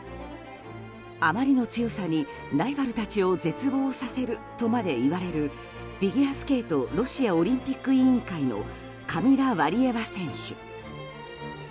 あまりの強さにライバルたちを絶望させるとまで言われるフィギュアスケートロシアオリンピック委員会のカミラ・ワリエワ選手。